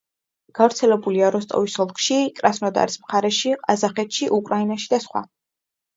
გავრცელებულია როსტოვის ოლქში, კრასნოდარის მხარეში, ყაზახეთში, უკრაინაში და სხვა.